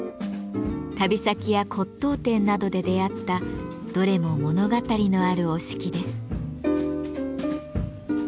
旅先や骨董店などで出会ったどれも物語のある折敷です。